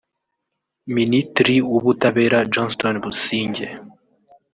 Minitri w’ubutabera Johnston Busingye